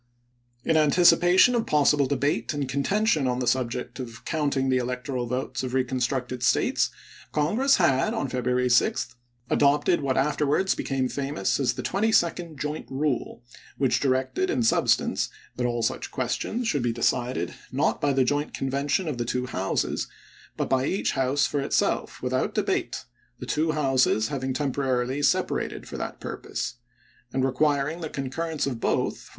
In anticipation of possible debate and contention on the subject of counting the electoral votes of reconstructed States, Congress had, on February 6, adopted what afterwards became famous as the Twenty second Joint Eule, which directed in sub stance that all such questions should be decided, not by the joint convention of the two Houses, but by each House for itself without debate, the two Houses having temporarily separated for that pur «Giot>e,» ,..,,'• v ,/, Feb. 6, 1865, pose ; and requiring the concurrence ot both tor pp.